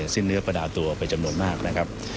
สิ้นเนื้อประดาตัวไปจำนวนมากนะครับ